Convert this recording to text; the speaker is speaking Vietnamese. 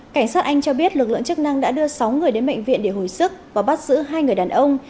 cảnh sát anh cho biết lực lượng chức năng đã đưa sáu người đến bệnh viện để hồi sức và bắt giữ hai người đàn ông